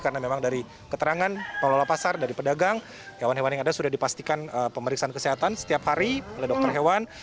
karena memang dari keterangan pengelola pasar dari pedagang hewan hewan yang ada sudah dipastikan pemeriksaan kesehatan setiap hari oleh dokter hewan